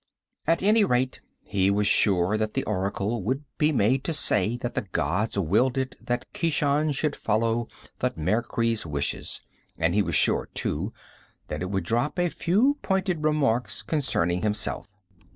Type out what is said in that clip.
At any rate he was sure that the oracle would be made to say that the gods willed it that Keshan should follow Thutmekri's wishes, and he was sure, too, that it would drop a few pointed remarks concerning himself.